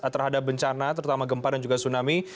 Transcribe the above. terhadap bencana terutama gempa dan juga tsunami